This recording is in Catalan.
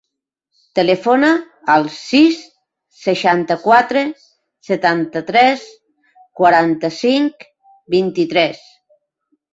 Telefona al sis, seixanta-quatre, setanta-tres, quaranta-cinc, vint-i-tres.